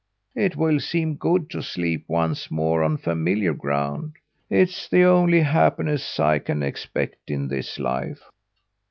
"It will seem good to sleep once more on familiar ground. It's the only happiness I can expect in this life."